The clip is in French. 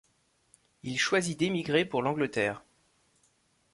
Il choisit d'émigrer pour l'Angleterre.